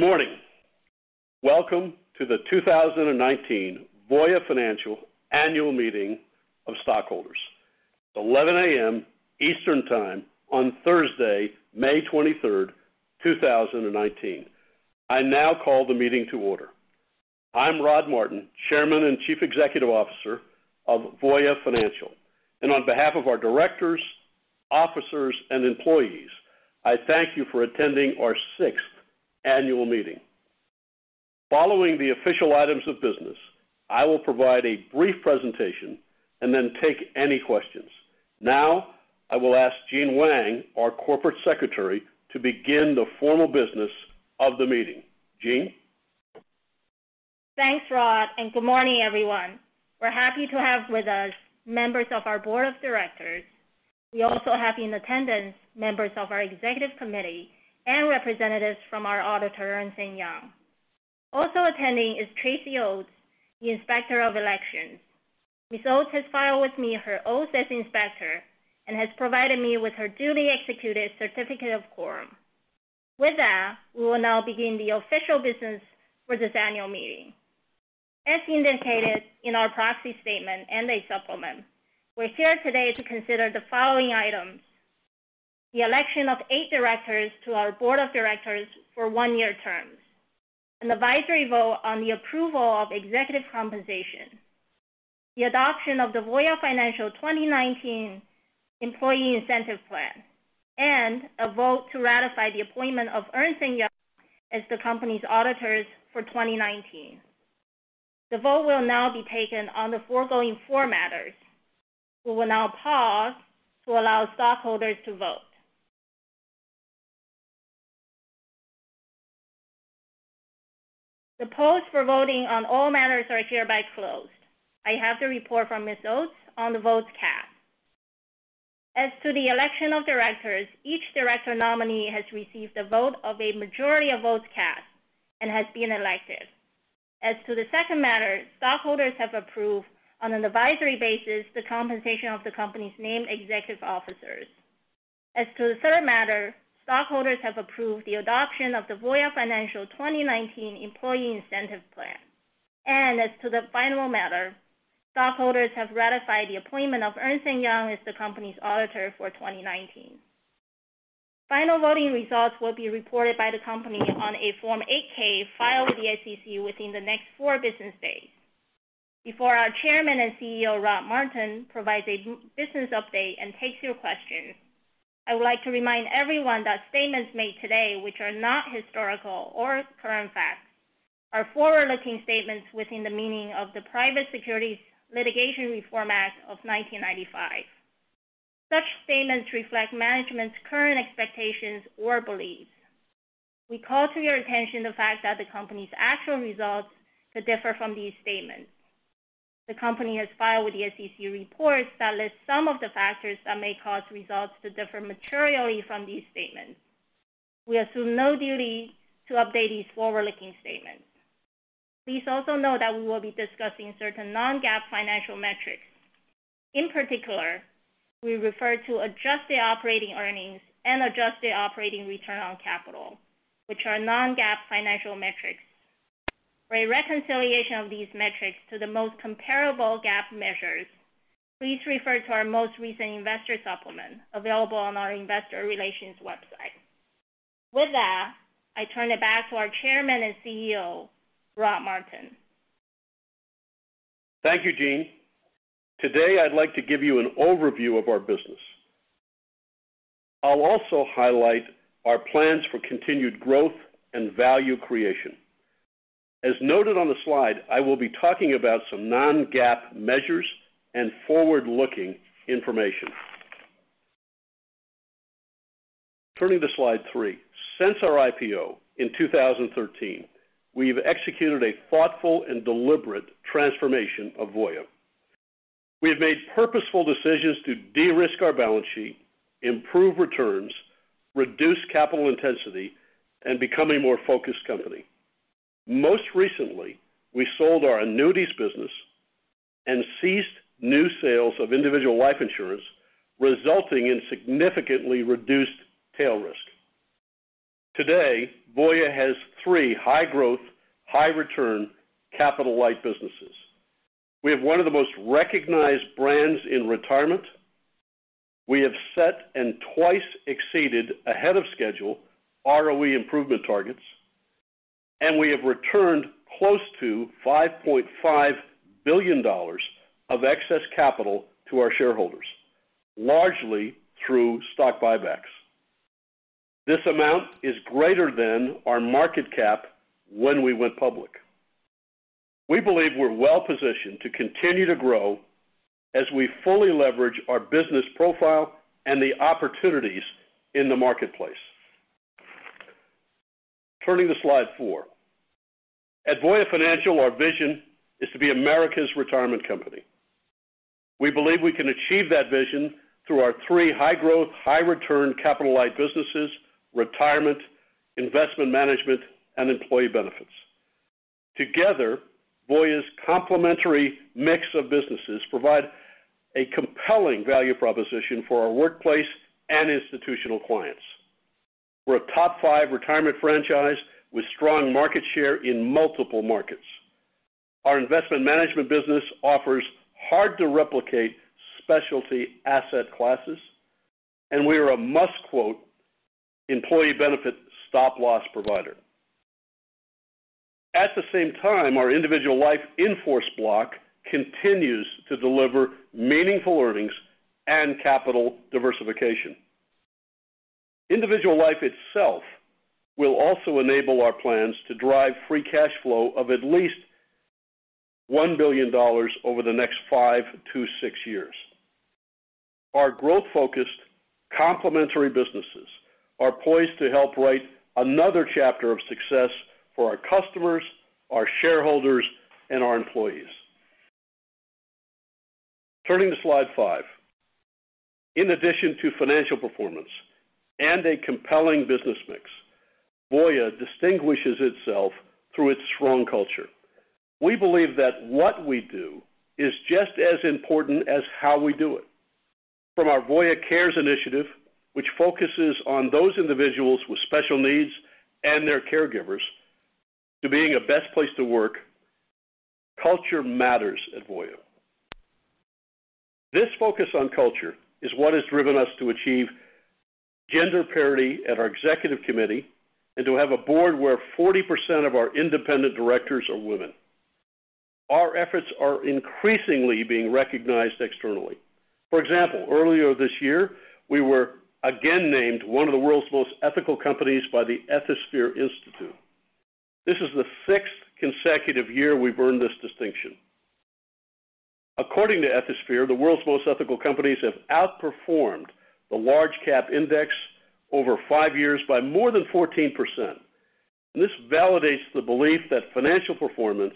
Good morning. Welcome to the 2019 Voya Financial Annual Meeting of Stockholders, 11:00 A.M. Eastern Time on Thursday, May 23, 2019. I now call the meeting to order. I'm Rod Martin, Chairman and Chief Executive Officer of Voya Financial. On behalf of our directors, officers, and employees, I thank you for attending our sixth annual meeting. Following the official items of business, I will provide a brief presentation and then take any questions. Now, I will ask Jean Wang, our Corporate Secretary, to begin the formal business of the meeting. Jean? Thanks, Rod. Good morning, everyone. We're happy to have with us members of our board of directors. We also have in attendance members of our executive committee and representatives from our auditor, Ernst & Young. Also attending is Tracy Oates, the Inspector of Elections. Ms. Oates has filed with me her oaths as Inspector and has provided me with her duly executed certificate of quorum. With that, we will now begin the official business for this annual meeting. As indicated in our proxy statement and a supplement, we're here today to consider the following items: the election of eight directors to our board of directors for one-year terms, an advisory vote on the approval of executive compensation, the adoption of the Voya Financial 2019 Employee Incentive Plan, and a vote to ratify the appointment of Ernst & Young as the company's auditors for 2019. The vote will now be taken on the foregoing four matters. We will now pause to allow stockholders to vote. The polls for voting on all matters are hereby closed. I have the report from Ms. Oates on the votes cast. As to the election of directors, each director nominee has received a vote of a majority of votes cast and has been elected. As to the second matter, stockholders have approved on an advisory basis the compensation of the company's named executive officers. As to the third matter, stockholders have approved the adoption of the Voya Financial 2019 Employee Incentive Plan. As to the final matter, stockholders have ratified the appointment of Ernst & Young as the company's auditor for 2019. Final voting results will be reported by the company on a Form 8-K filed with the SEC within the next four business days. Before our Chairman and CEO, Rod Martin, provides a business update and takes your questions, I would like to remind everyone that statements made today, which are not historical or current facts, are forward-looking statements within the meaning of the Private Securities Litigation Reform Act of 1995. Such statements reflect management's current expectations or beliefs. We call to your attention the fact that the company's actual results could differ from these statements. The company has filed with the SEC reports that list some of the factors that may cause results to differ materially from these statements. We assume no duty to update these forward-looking statements. Please also know that we will be discussing certain non-GAAP financial metrics. In particular, we refer to adjusted operating earnings and adjusted operating return on capital, which are non-GAAP financial metrics. For a reconciliation of these metrics to the most comparable GAAP measures, please refer to our most recent investor supplement available on our investor relations website. With that, I turn it back to our Chairman and CEO, Rod Martin. Thank you, Jean. Today, I'd like to give you an overview of our business. I'll also highlight our plans for continued growth and value creation. As noted on the slide, I will be talking about some non-GAAP measures and forward-looking information. Turning to slide three. Since our IPO in 2013, we've executed a thoughtful and deliberate transformation of Voya. We have made purposeful decisions to de-risk our balance sheet, improve returns, reduce capital intensity, and become a more focused company. Most recently, we sold our annuities business and ceased new sales of individual life insurance, resulting in significantly reduced tail risk. Today, Voya has three high-growth, high-return capital-light businesses. We have one of the most recognized brands in retirement. We have set and twice exceeded ahead of schedule ROE improvement targets, and we have returned close to $5.5 billion of excess capital to our shareholders, largely through stock buybacks. This amount is greater than our market cap when we went public. We believe we're well-positioned to continue to grow as we fully leverage our business profile and the opportunities in the marketplace. Turning to slide four. At Voya Financial, our vision is to be America's retirement company. We believe we can achieve that vision through our three high-growth, high-return capital-light businesses, retirement, investment management, and employee benefits. Together, Voya's complementary mix of businesses provide a compelling value proposition for our workplace and institutional clients. We're a top five retirement franchise with strong market share in multiple markets. Our investment management business offers hard-to-replicate specialty asset classes, and we are a must-quote employee benefit Stop Loss provider. At the same time, our individual life in-force block continues to deliver meaningful earnings and capital diversification. Individual life itself will also enable our plans to drive free cash flow of at least $1 billion over the next five to six years. Our growth-focused complementary businesses are poised to help write another chapter of success for our customers, our shareholders, and our employees. Turning to slide five. In addition to financial performance and a compelling business mix, Voya distinguishes itself through its strong culture. We believe that what we do is just as important as how we do it. From our Voya Cares initiative, which focuses on those individuals with special needs and their caregivers, to being a best place to work, culture matters at Voya. This focus on culture is what has driven us to achieve gender parity at our executive committee and to have a board where 40% of our independent directors are women. Our efforts are increasingly being recognized externally. For example, earlier this year, we were again named one of the world's most ethical companies by the Ethisphere Institute. This is the sixth consecutive year we've earned this distinction. According to Ethisphere, the world's most ethical companies have outperformed the large cap index over five years by more than 14%, and this validates the belief that financial performance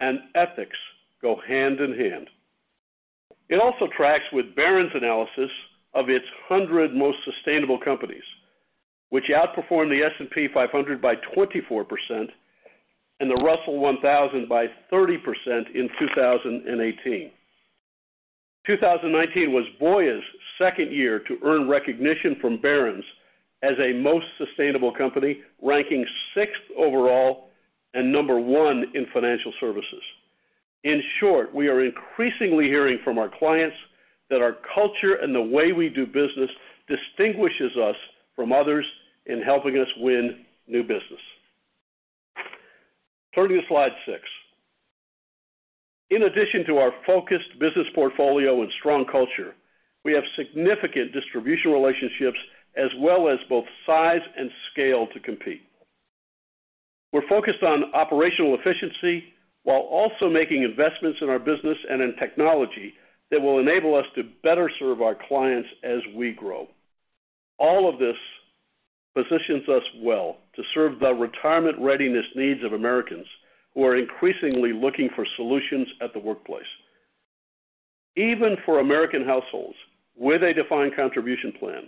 and ethics go hand in hand. It also tracks with Barron's analysis of its 100 most sustainable companies, which outperformed the S&P 500 by 24% and the Russell 1000 by 30% in 2018. 2019 was Voya's second year to earn recognition from Barron's as a most sustainable company, ranking sixth overall and number one in financial services. In short, we are increasingly hearing from our clients that our culture and the way we do business distinguishes us from others in helping us win new business. Turning to slide six. In addition to our focused business portfolio and strong culture, we have significant distribution relationships as well as both size and scale to compete. We're focused on operational efficiency while also making investments in our business and in technology that will enable us to better serve our clients as we grow. All of this positions us well to serve the retirement readiness needs of Americans who are increasingly looking for solutions at the workplace. Even for American households with a defined contribution plan,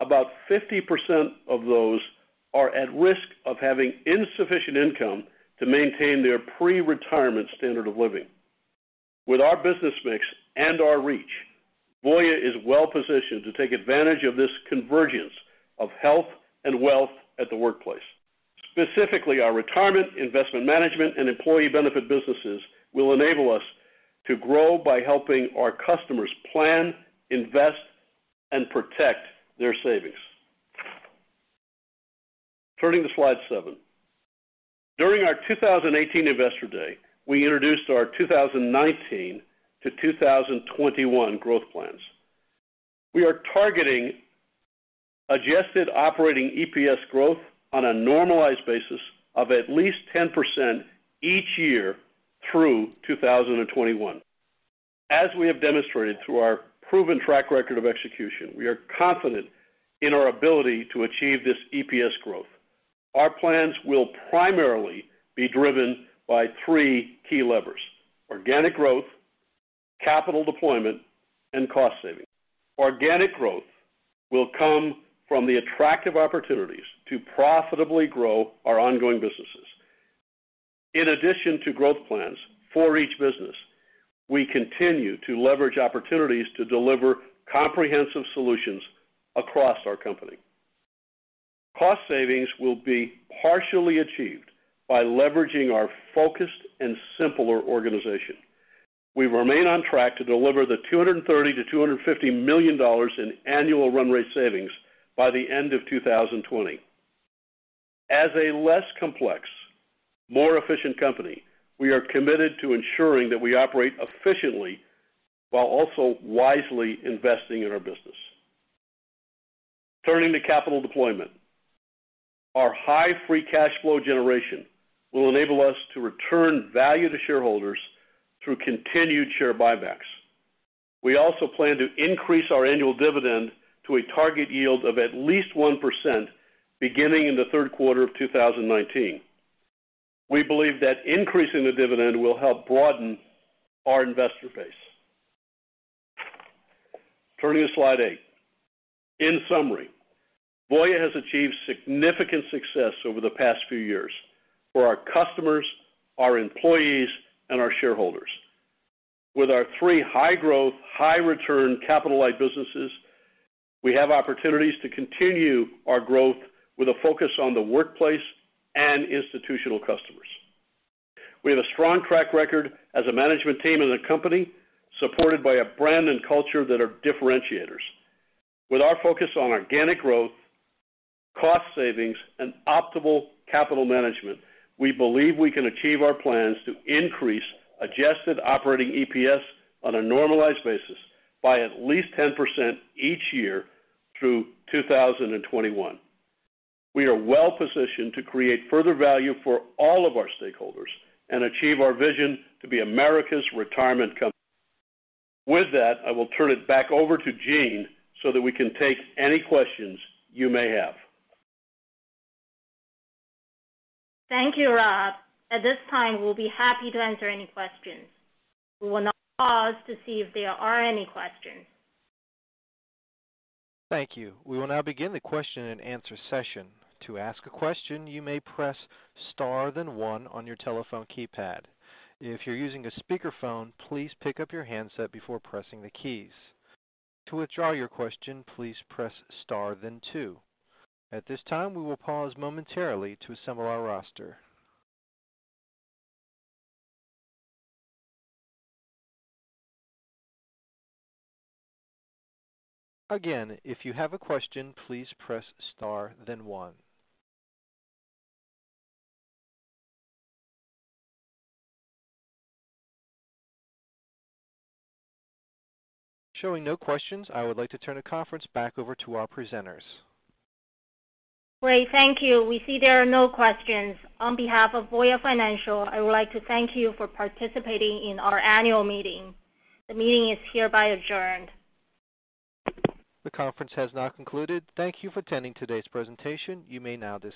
about 50% of those are at risk of having insufficient income to maintain their pre-retirement standard of living. With our business mix and our reach, Voya is well-positioned to take advantage of this convergence of health and wealth at the workplace. Specifically, our retirement, investment management, and employee benefit businesses will enable us to grow by helping our customers plan, invest, and protect their savings. Turning to slide seven. During our 2018 Investor Day, we introduced our 2019 to 2021 growth plans. We are targeting adjusted operating EPS growth on a normalized basis of at least 10% each year through 2021. As we have demonstrated through our proven track record of execution, we are confident in our ability to achieve this EPS growth. Our plans will primarily be driven by three key levers, organic growth, capital deployment, and cost savings. Organic growth will come from the attractive opportunities to profitably grow our ongoing businesses. In addition to growth plans for each business, we continue to leverage opportunities to deliver comprehensive solutions across our company. Cost savings will be partially achieved by leveraging our focused and simpler organization. We remain on track to deliver the $230 million-$250 million in annual run rate savings by the end of 2020. As a less complex, more efficient company, we are committed to ensuring that we operate efficiently while also wisely investing in our business. Turning to capital deployment. Our high free cash flow generation will enable us to return value to shareholders through continued share buybacks. We also plan to increase our annual dividend to a target yield of at least 1% beginning in the third quarter of 2019. We believe that increasing the dividend will help broaden our investor base. Turning to slide eight. In summary, Voya has achieved significant success over the past few years for our customers, our employees, and our shareholders. With our three high growth, high return capital light businesses, we have opportunities to continue our growth with a focus on the workplace and institutional customers. We have a strong track record as a management team and a company supported by a brand and culture that are differentiators. With our focus on organic growth, cost savings, and optimal capital management, we believe we can achieve our plans to increase adjusted operating EPS on a normalized basis by at least 10% each year through 2021. We are well-positioned to create further value for all of our stakeholders and achieve our vision to be America's retirement company. With that, I will turn it back over to Jean so that we can take any questions you may have. Thank you, Rod. At this time, we'll be happy to answer any questions. We will now pause to see if there are any questions. Thank you. We will now begin the question and answer session. To ask a question, you may press star 1 on your telephone keypad. If you're using a speakerphone, please pick up your handset before pressing the keys. To withdraw your question, please press star 2. At this time, we will pause momentarily to assemble our roster. Again, if you have a question, please press star 1. Showing no questions, I would like to turn the conference back over to our presenters. Great, thank you. We see there are no questions. On behalf of Voya Financial, I would like to thank you for participating in our annual meeting. The meeting is hereby adjourned. The conference has now concluded. Thank you for attending today's presentation. You may now disconnect.